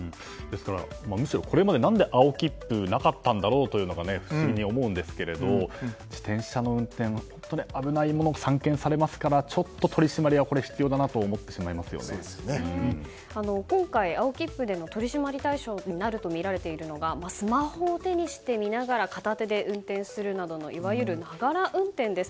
むしろこれまで何で青切符がなかったんだろうというのが不思議に思うんですけど自転車の運転は本当に危ないものが散見されますから今回、青切符での取り締まり対象になるとみられているのがスマホを手にして見ながら片手で運転するなどいわゆる、ながら運転です。